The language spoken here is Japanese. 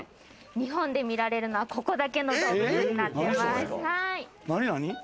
日本で見られるのはここだけの動物になっています。